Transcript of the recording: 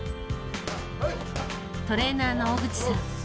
トレーナーの小口さん